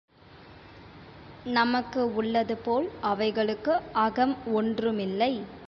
நமக்கு உள்ளதுபோல் அவைகளுக்கு அகம் ஒன்றுமில்லை.